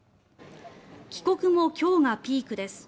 帰国も今日がピークです。